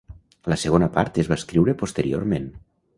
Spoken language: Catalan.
La segona part es va escriure posteriorment.